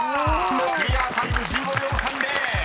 ［クリアタイム１５秒３０］